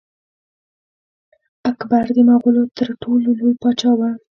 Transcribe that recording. اکبر د مغولو تر ټولو لوی پاچا و.